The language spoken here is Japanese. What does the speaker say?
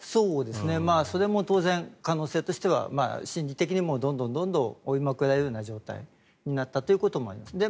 それも当然可能性としては心理的にもどんどん追いまくられるような状態になったと思います。